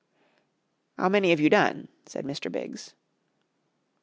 "'Ow many 'ave you done?" said Mr. Biggs.